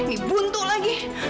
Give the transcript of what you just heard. ibu ntuk lagi